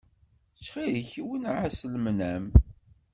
Ttxil-k wenneɛ-as lemnam.